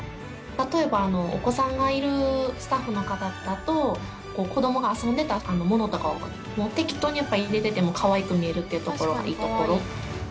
例えば、お子さんがいるスタッフの方だと子どもが遊んでたものとかを適当に入れてても可愛く見えるというところがいいところ。